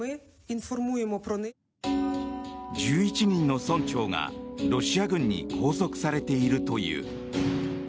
１１人の村長がロシア軍に拘束されているという。